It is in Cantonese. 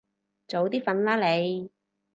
早啲瞓啦你